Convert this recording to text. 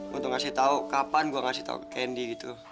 gue mau kasih tau kapan gue ngasih tau candy gitu